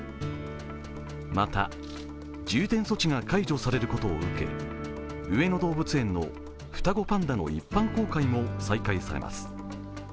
また、重点措置が解除されることを受け、上野動物園の双子パンダの一般公開も再開されます。